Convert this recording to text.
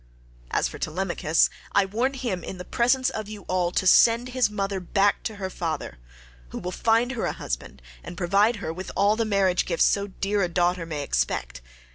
As for Telemachus, I warn him in the presence of you all to send his mother back to her father, who will find her a husband and provide her with all the marriage gifts so dear a daughter may expect.